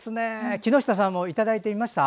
木下さんもいただいてみました？